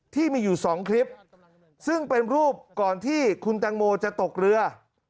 ที่มีอยู่๒คลิปซึ่งเป็นรูปก่อนที่คุณแตงโมจะตกเรือ